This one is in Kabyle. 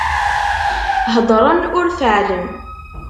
Heddṛen ur faɛlen.